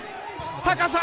高さ。